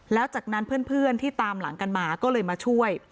แล้วจากนั้นเพื่อนที่ตามหลังกันมาก็เลยมาช่วย